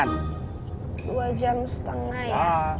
dua jam setengah ya